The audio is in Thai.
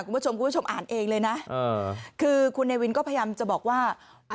คุณผู้ชมคุณผู้ชมอ่านเองเลยนะคือคุณเนวินก็พยายามจะบอกว่า